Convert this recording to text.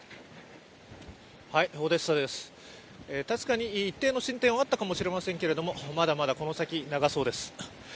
確かに一定の進展はあったかもしれませんけれども、まだまだ、この先、長そうです。